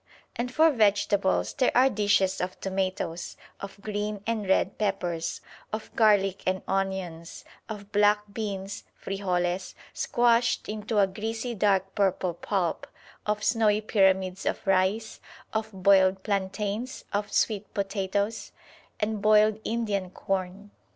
And for vegetables there are dishes of tomatoes, of green and red peppers, of garlick and onions, of black beans (frijoles) squashed into a greasy dark purple pulp, of snowy pyramids of rice, of boiled plantains, of sweet potatoes, and boiled Indian corn.